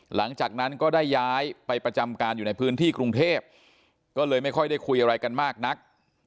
หลังจากนั้นก็ได้ย้ายไปประจำการอยู่ในพื้นที่กรุงเทพก็เลยไม่ค่อยได้คุยอะไรกันมากนัก